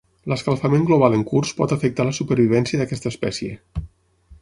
L'escalfament global en curs pot afectar la supervivència d'aquesta espècie.